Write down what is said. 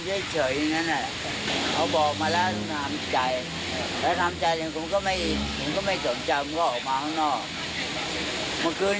เมื่อกี้อีกคืนอยู่ในที่ที่เชิงคืน